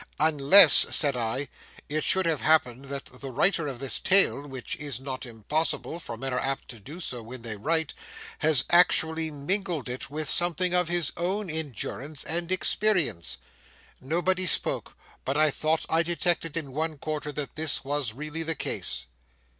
'Unless,' said I, 'it should have happened that the writer of this tale—which is not impossible, for men are apt to do so when they write—has actually mingled with it something of his own endurance and experience.' Nobody spoke, but I thought I detected in one quarter that this was really the case.